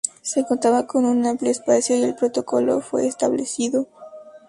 Se contaba con un amplio espacio, y el protocolo fue establecido.